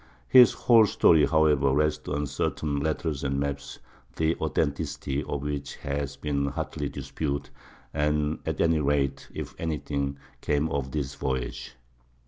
His whole story, however, rests on certain letters and maps the authenticity of which has been hotly disputed; and at any rate little, if anything, came of this voyage.